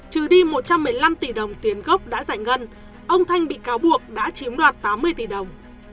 trừ đi một trăm một mươi năm tỷ đồng tiền gốc đã giải ngân ông thanh bị cáo buộc đã chiếm đoạt tám mươi tỷ đồng